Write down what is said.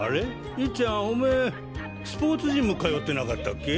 イッちゃんオメースポーツジム通ってなかったっけ？